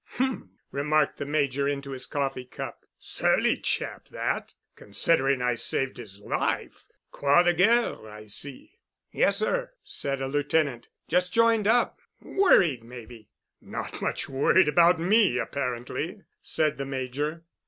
"H m," remarked the Major into his coffee cup. "Surly chap that. Considering I saved his life—Croix de Guerre, I see?" "Yes sir," said a Lieutenant. "Just joined up. Worried, maybe." "Not much worried about me, apparently," said the Major.